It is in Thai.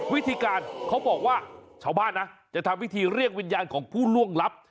วิธีการเขาบอกว่าชาวบ้านนะจะทำวิธีเรียกวิญญาณของผู้ล่วงลับ